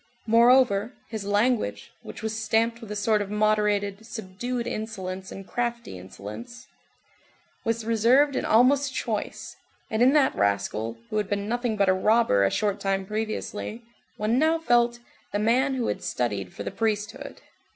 Moreover, his language, which was stamped with a sort of moderated, subdued insolence and crafty insolence, was reserved and almost choice, and in that rascal, who had been nothing but a robber a short time previously, one now felt "the man who had studied for the priesthood."